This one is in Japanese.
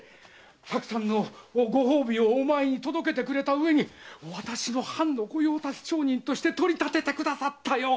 たくさんのご褒美をおまえに届けてくれたうえに私も藩の御用達商人として取り立ててくださったよ！